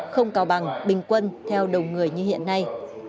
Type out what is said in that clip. không cao bằng bình quân theo đồng người như hiện nay